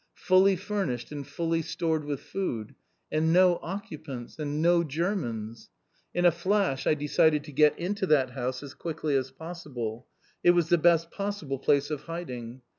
Fully furnished, and fully stored with food! And no occupants! And no Germans! In a flash I decided to get into that house as quickly as possible. It was the best possible place of hiding.